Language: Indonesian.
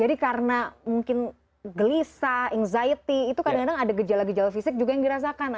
jadi karena mungkin gelisah anxiety itu kadang kadang ada gejala gejala fisik juga yang dirasakan